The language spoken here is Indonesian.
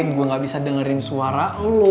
gue gak bisa dengerin suara lo